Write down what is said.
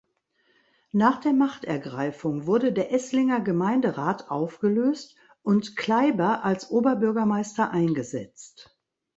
Nach der Machtergreifung wurde der Esslinger Gemeinderat aufgelöst und Klaiber als Oberbürgermeister eingesetzt.